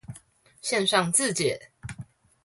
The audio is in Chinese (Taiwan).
線上自介